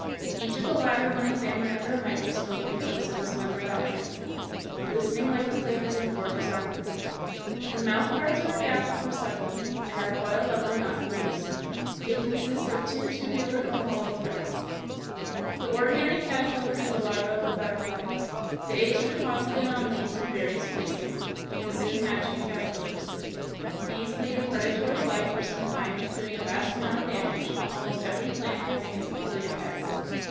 Each of the latter when examined under a microscope becomes a resplendent object, glistening like the plate of some gorgeous armor. The mouth parts are adapted for sucking, and are coiled up when not in use (Fig. 231). They consist of two tubular or hollow threads. [Illustration: FIG. 230. Head of a moth.] [Illustration: FIG. 231. Mouth parts of a butterfly.] The ordinary caterpillar is the larva of the butterfly. The eggs are deposited on leaves and various places, and soon hatch into caterpillars (Fig. 232). These lead a predatory life for some time, doing a vast amount of damage, almost every plant having its peculiar pest.